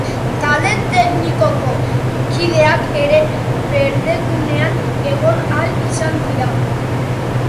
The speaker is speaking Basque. Talde teknikoko kideak ere berdegunean egon ahal izan dira.